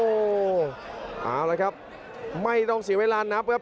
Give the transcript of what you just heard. โอ้โหเอาละครับไม่ต้องเสียเวลานับครับ